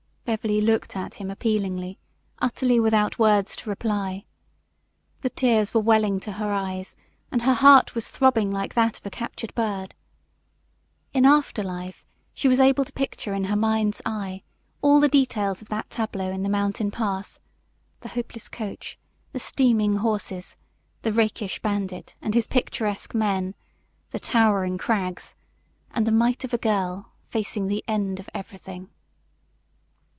Beverly looked at him appealingly, utterly without words to reply. The tears were welling to her eyes and her heart was throbbing like that of a captured bird. In after life she was able to picture in her mind's eye all the details of that tableau in the mountain pass the hopeless coach, the steaming horses, the rakish bandit, and his picturesque men, the towering crags, and a mite of a girl facing the end of everything.